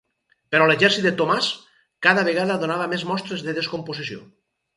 Però l'exèrcit de Tomàs cada vegada donava més mostres de descomposició.